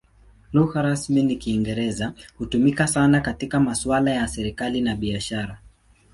Lugha rasmi ni Kiingereza; hutumika sana katika masuala ya serikali na biashara.